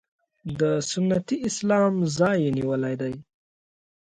د سنتي اسلام ځای یې نیولی دی.